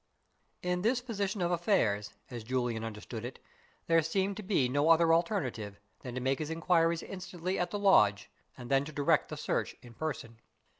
In this position of affairs, as Julian understood it, there seemed to be no other alternative than to make his inquiries instantly at the lodge and then to direct the search in person.